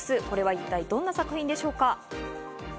これは一体どんな作品なんでしょうか。